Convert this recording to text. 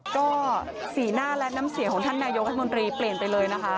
ก็สีหน้าและน้ำเสียงของท่านนายกรัฐมนตรีเปลี่ยนไปเลยนะคะ